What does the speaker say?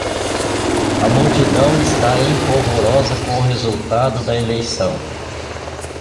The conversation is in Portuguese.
A multidão está em polvorosa com o resultado da eleição